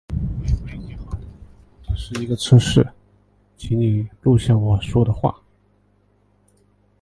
The five were declared elected unopposed.